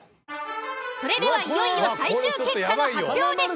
それではいよいよ最終結果の発表です。